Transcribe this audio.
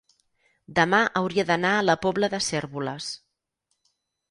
demà hauria d'anar a la Pobla de Cérvoles.